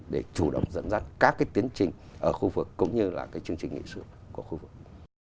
để chủ động dẫn dắt các cái tiến trình ở khu vực cũng như là cái chương trình nghị sự của khu vực